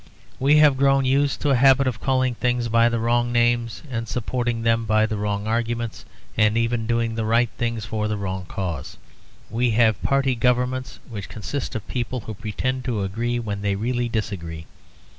We have grown used to a habit of calling things by the wrong names and supporting them by the wrong arguments; and even doing the right thing for the wrong cause. We have party governments which consist of people who pretend to agree when they really disagree.